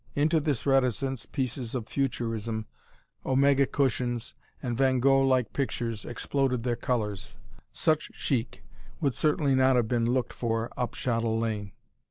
Into this reticence pieces of futurism, Omega cushions and Van Gogh like pictures exploded their colours. Such chic would certainly not have been looked for up Shottle Lane.